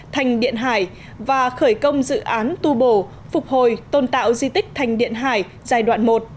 thành điện hải và khởi công dự án tu bổ phục hồi tôn tạo di tích thành điện hải giai đoạn một